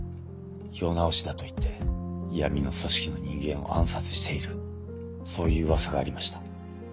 世直しだと言って闇の組織の人間を暗殺しているそういう噂がありました。